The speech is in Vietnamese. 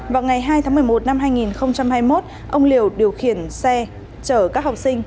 vào ngày hai tháng một mươi một năm hai nghìn hai mươi một ông liều điều khiển xe chở các học sinh